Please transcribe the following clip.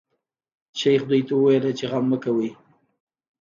شیخ دوی ته وویل چې غم مه کوی.